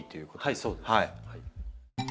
はいそうです。